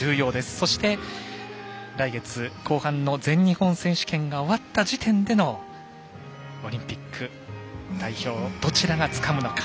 そして、来月後半の全日本選手権が終わった時点でのオリンピック代表をどちらがつかむのか。